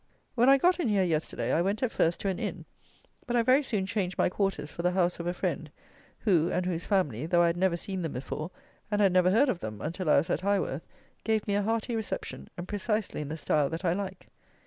When I got in here yesterday, I went at first to an inn; but I very soon changed my quarters for the house of a friend, who and whose family, though I had never seen them before, and had never heard of them until I was at Highworth, gave me a hearty reception, and precisely in the style that I like.